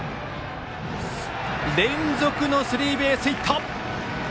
連続のスリーベースヒット！